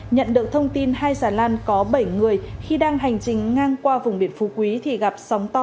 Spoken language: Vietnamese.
nhận được thông tin hai xà lan có bảy người khi đang hành trình ngang qua vùng biển phú quý thì gặp sóng to